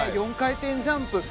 ４回転ジャンプ